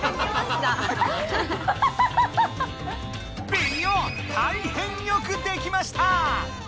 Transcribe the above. ベニオ大変よくできました！